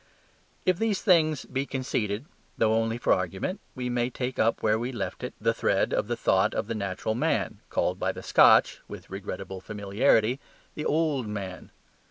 If these things be conceded, though only for argument, we may take up where we left it the thread of the thought of the natural man, called by the Scotch (with regrettable familiarity), "The Old Man."